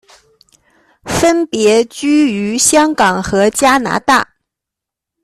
分别居于香港和加拿大。